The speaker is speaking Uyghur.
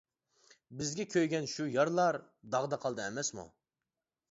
بىزگە كۆيگەن شۇ يارلار، داغدا قالدى ئەمەسمۇ.